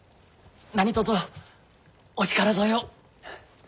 何とぞお力添えを。